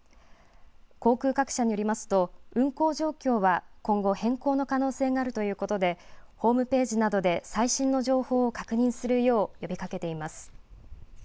航空各社によりますと、運行状況は今後変更の可能性があるということで、ホームページなどで最新の情報を確認するよう、呼びかけています。